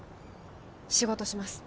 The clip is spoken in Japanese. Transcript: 仕事します